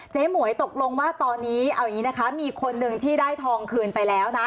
หมวยตกลงว่าตอนนี้เอาอย่างนี้นะคะมีคนหนึ่งที่ได้ทองคืนไปแล้วนะ